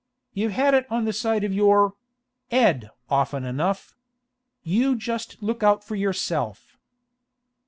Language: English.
You've had it on the side of your —— 'ed often enough. You just look out for yourself!